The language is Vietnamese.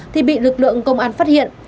thì bị lực lượng công an phát hiện